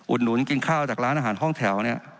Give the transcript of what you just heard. หนุนกินข้าวจากร้านอาหารห้องแถวเนี่ย